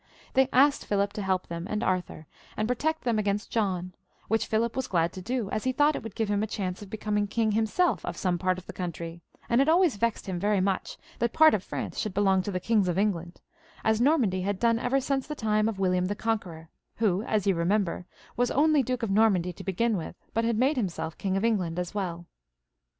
They asked Philip to help them and Arthur, and protect them against John, which Philip was glad to do, as he thought it would give him a chance of becoming king himself of some part of the country, and it always vexed him very much that part of France should belong to the Kings of England, as Normandy had done ever since the time of William the Conqueror, who, as you remember, was only Duke of Normandy to begin with, but had made himself King of England as well.